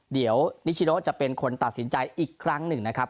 เดี๋ยวนิชโนจะเป็นคนตัดสินใจอีกครั้งหนึ่งนะครับ